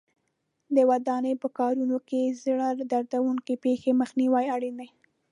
د ودانۍ په کارونو کې د زړه دردوونکو پېښو مخنیوی اړین دی.